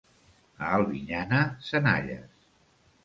A Albinyana, senalles.